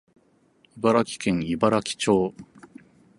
茨城県茨城町